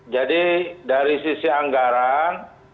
jadi dari sisi anggaran